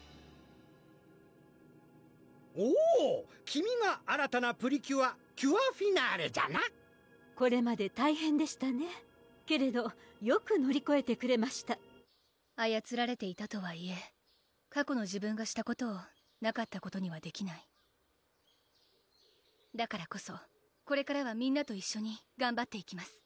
君が新たなプリキュア・キュアフィナーレじゃなこれまで大変でしたねけれどよく乗りこえてくれましたあやつられていたとはいえ過去の自分がしたことをなかったことにはできないだからこそこれからはみんなと一緒にがんばっていきます